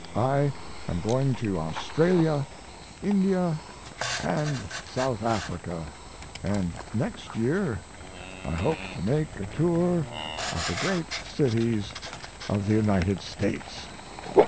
I am going to Australia, India, and South Africa, and next year I hope to make a tour of the great cities of the United States.